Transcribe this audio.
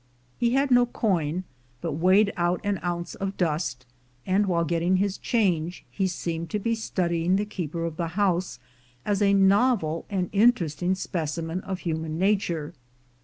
He had no coin, but weighed out an ounce of dust, and while getting his change he seemed to be study ing the keeper of the house, as a novel and interest ing specimen of human nature.